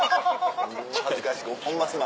恥ずかしいホンマすまん。